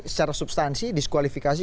secara substansi disqualifikasi